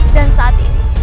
dan saat ini